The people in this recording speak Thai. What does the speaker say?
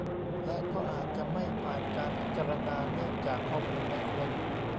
และก็อาจจะไม่ผ่านการพิจารณาเนื่องจากข้อมูลไม่ครบ